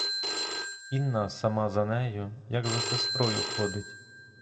Інна сама за нею, як за сестрою, ходить.